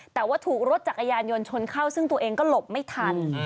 แต่ว่าถูกรถจักรยานยนต์ชนเข้าซึ่งตัวเองก็หลบไม่ทัน